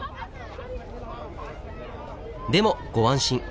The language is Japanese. でもご安心。